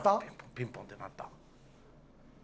ピンポンって鳴った。